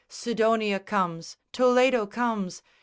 Sidonia comes! Toledo comes!